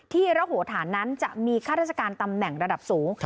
ระโหฐานนั้นจะมีข้าราชการตำแหน่งระดับสูง